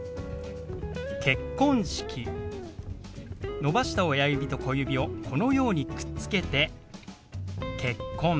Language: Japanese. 伸ばした親指と小指をこのようにくっつけて「結婚」。